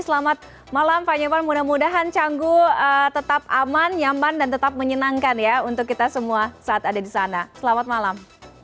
selamat malam pak nyoman mudah mudahan canggu tetap aman nyaman dan tetap menyenangkan ya untuk kita semua saat ada di sana selamat malam